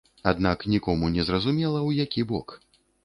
Аднак нікому не зразумела, у які бок.